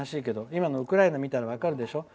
今のウクライナを見ていれば分かるでしょ。